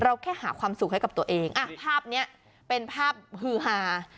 แค่หาความสุขให้กับตัวเองอ่ะภาพนี้เป็นภาพฮือฮา